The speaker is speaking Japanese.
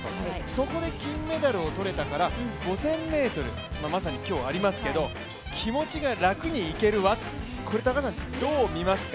そこで金メダルをとれたから、５０００ｍまさに今日ありますけれども気持ちが楽にいけるわ、これ、高橋さん、どう見ますか。